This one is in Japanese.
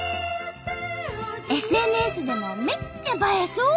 ＳＮＳでもめっちゃ映えそう！